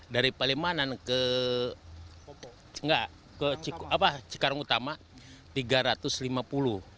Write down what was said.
dari palimanan ke cikarang utama rp tiga ratus lima puluh